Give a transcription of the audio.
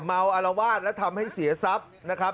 อารวาสและทำให้เสียทรัพย์นะครับ